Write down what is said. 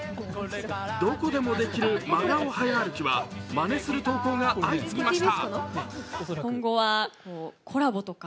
どこでもできる真顔早歩きはまねする投稿が相次ぎました。